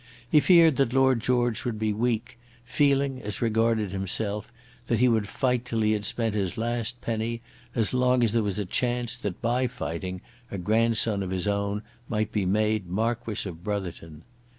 He feared that Lord George would be weak, feeling; as regarded himself, that he would fight till he had spent his last penny, as long as there was a chance that, by fighting, a grandson of his own might be made Marquis of Brotherton.